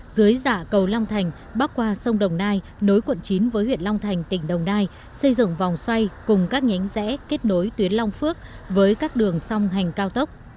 dưới dạ cầu long thành bắc qua sông đồng nai nối quận chín với huyện long thành tỉnh đồng nai xây dựng vòng xoay cùng các nhánh rẽ kết nối tuyến long phước với các đường song hành cao tốc